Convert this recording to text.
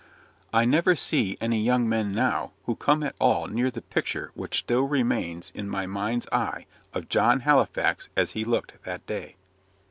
I never see any young men now who come at all near the picture which still remains in my mind's eye of John Halifax as he looked that day.